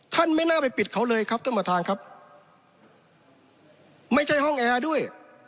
ไม่น่าไปปิดเขาเลยครับท่านประธานครับไม่ใช่ห้องแอร์ด้วย